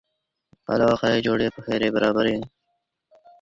څه وخت ملي سوداګر درمل هیواد ته راوړي؟